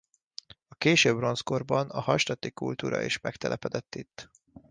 A késő bronzkorban a hallstatti kultúra is megtelepedett itt.